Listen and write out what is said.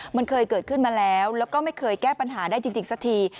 มันเคยเกิดขึ้นมาแล้วแล้วก็ไม่เคยแก้ปัญหาได้จริงสักที